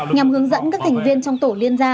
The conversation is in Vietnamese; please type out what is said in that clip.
nhằm hướng dẫn các thành viên trong tổ liên gia